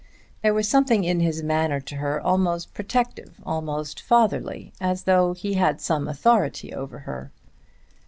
There was something in his manner to her almost protective, almost fatherly, as though he had some authority over her.